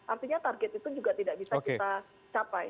artinya target itu juga tidak bisa kita capai